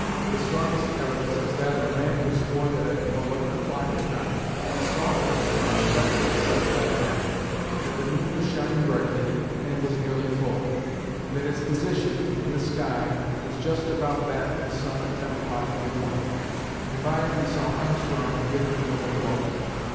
The strongest evidence was that of a man who swore that at eleven o'clock at night he saw Armstrong strike the deceased on the head; that the moon was shining brightly, and was nearly full; and that its position in the sky was just about that of the sun at ten o'clock in the morning, and by it he saw Armstrong give the mortal blow."